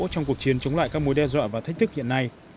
trong cuộc chiến chống lại các mối đe dọa và thách thức hiện nay